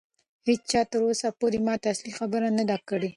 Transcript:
هیچا تر اوسه پورې ماته اصلي خبره نه ده کړې.